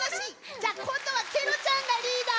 じゃあこんどはケロちゃんがリーダー。